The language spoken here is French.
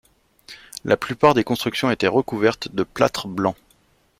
La plupart des constructions étaient recouvertes de plâtre blanc.